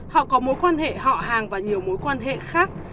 họ có mối quan hệ họ hàng và nhiều mối quan hệ khác